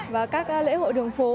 và các lễ hội đường phố